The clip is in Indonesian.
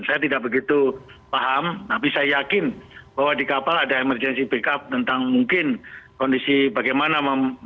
saya tidak begitu paham tapi saya yakin bahwa di kapal ada emergency backup tentang mungkin kondisi bagaimana